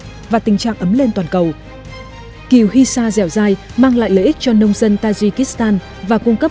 và tình trạng ấm lên toàn cầu kiều hisa dẻo dai mang lại lợi ích cho nông dân tajikistan và cung cấp